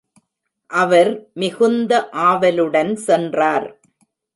அவர் மிகுந்த ஆவலுடன் சென்றார்.